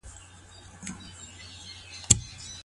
ولي لېواله انسان د تکړه سړي په پرتله ژر بریالی کېږي؟